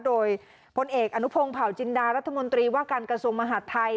โดยพลเอกอนุพงศ์เผาจินดารัฐมนตรีว่าการกระทรวงมหาดไทย